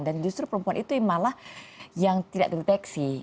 dan justru perempuan itu yang malah yang tidak deteksi